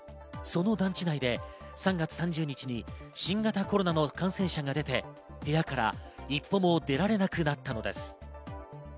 その団地内で３月３０日に新型コロナの感染者が出て、部屋から一歩も出られなくなったのです。